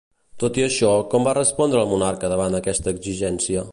Tot i això, com va respondre el monarca davant aquesta exigència?